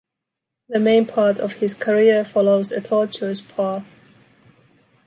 The main part of his career follows a tortuous path.